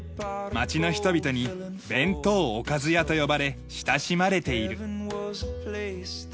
町の人々に「弁当オカズヤ」と呼ばれ親しまれている。